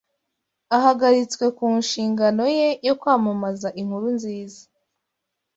ahagaritswe ku nshingano ye yo kwamamaza inkuru nziza